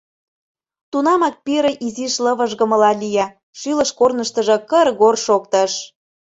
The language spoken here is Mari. Тунамак пире изиш лывыжгымыла лие, шӱлыш корныштыжо кыр-гор шоктыш.